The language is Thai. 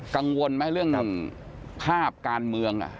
กังวลไหมเรื่องภาพการเมือง